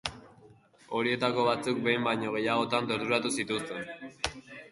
Horietako batzuk behin baino gehiagotan torturatu zituzten.